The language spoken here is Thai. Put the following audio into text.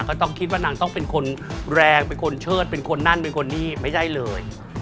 ต้องคิดว่านางต้องเป็นคนแรงเป็นคนเชิดเป็นคนนั่นเป็นคนนี่ไม่ใช่เลย